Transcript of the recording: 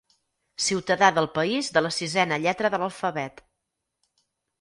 Ciutadà del país de la sisena lletra de l'alfabet.